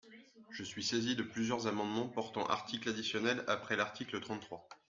Je suis saisi de plusieurs amendements portant articles additionnels après l’article trente-trois.